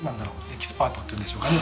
エキスパートっていうんでしょうかね。